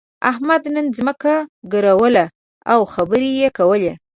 احمد نن ځمکه ګروله او خبرې يې کولې.